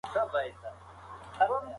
هغه سړی چې ډېرې خبرې کوي، لږ کار کوي.